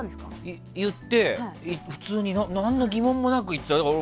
言って普通に何の疑問もなく行った。